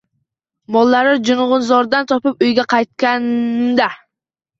Mollarni julg’unzordan topib uyga qaytganimda